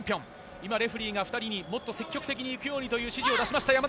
今レフェリーが積極的に行くようにという指示を出しました。